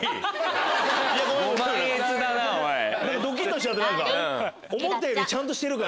ドキっとしちゃって何か。